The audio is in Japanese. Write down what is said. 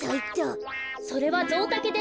それはゾウタケです。